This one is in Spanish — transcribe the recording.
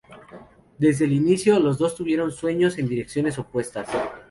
Desde el inicio, los dos tuvieron sueños en direcciones opuestas.